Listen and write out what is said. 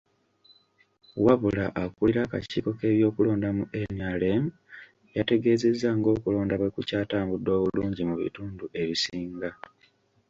Wabula akulira akakiiko k'ebyokulonda mu NRM yategeezezza ng'okulonda bwe kukyatambudde obulungi mu bitundu ebisinga.